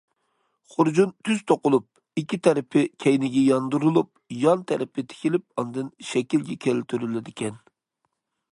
خۇرجۇن تۈز توقۇلۇپ، ئىككى تەرىپى كەينىگە ياندۇرۇلۇپ، يان تەرىپى تىكىلىپ ئاندىن شەكىلگە كەلتۈرۈلىدىكەن.